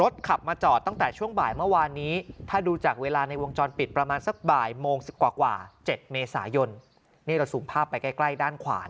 ตรวจสอบวงจรปิดครับ